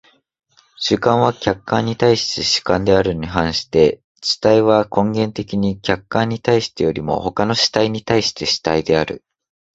主観は客観に対して主観であるに反して、主体は根源的には客観に対してよりも他の主体に対して主体である。